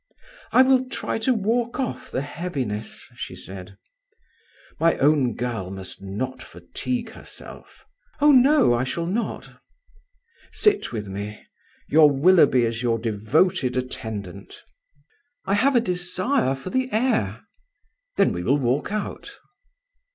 "I will try to walk off the heaviness," she said. "My own girl must not fatigue herself." "Oh, no; I shall not." "Sit with me. Your Willoughby is your devoted attendant." "I have a desire for the air." "Then we will walk out."